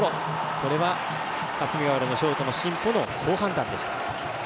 これは霞ヶ浦のショートの新保の好判断でした。